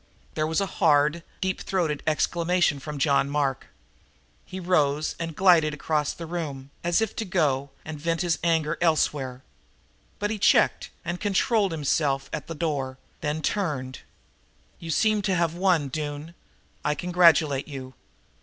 There was a hard, deep throated exclamation from John Mark. He rose and glided across the room, as if to go and vent his anger elsewhere. But he checked and controlled himself at the door, then turned. "You seem to have won, Doone. I congratulate you.